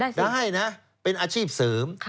ได้สิค่ะได้นะเป็นอาชีพเสริม